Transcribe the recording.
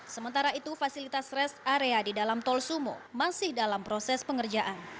sementara itu fasilitas rest area di dalam tol sumo masih dalam proses pengerjaan